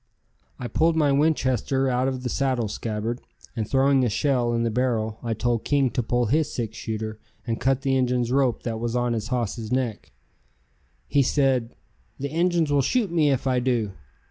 I pulled my Winchester out of the saddle scabbard and throwing a shell in the barrel, I told King to pull his six shooter and cut the Injun's rope that was on his hoss's neck. He said: "The Injuns will shoot me if I do."